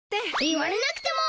言われなくても。